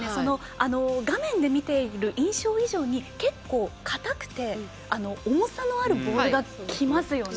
画面で見ている印象以上に結構硬くて重さのあるボールがきますよね。